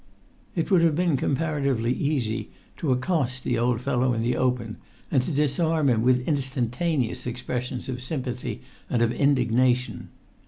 It would have been comparatively easy to accost the old fellow in the open, and to disarm him with instantaneous expressions of sympathy and of indignation.